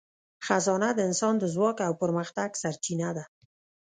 خزانه د انسان د ځواک او پرمختګ سرچینه ده.